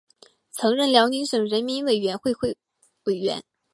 曾任辽宁省人民委员会委员。